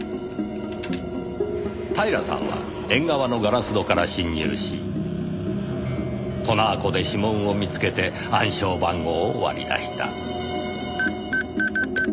平さんは縁側のガラス戸から侵入しトナー粉で指紋を見つけて暗証番号を割り出した。